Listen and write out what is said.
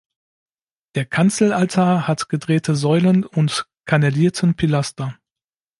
Der Kanzelaltar hat gedrehte Säulen und kannelierten Pilaster.